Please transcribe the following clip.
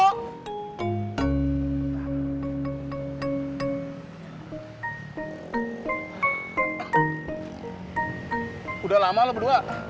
sudah lama lu berdua